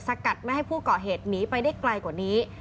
กัดไม่ให้ผู้ก่อเหตุหนีไปได้ไกลกว่านี้